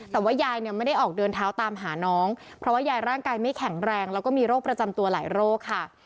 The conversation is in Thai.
แต่ว่ายายเนี่ยไม่ได้ออกเดินเท้าตามหาน้องเพราะว่ายายร่างกายไม่แข็งแรงแล้วก็มีโรคประจำตัวหลายโรคค่ะ